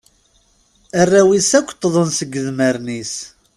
Arraw-is akk ṭṭḍen seg idmaren-is.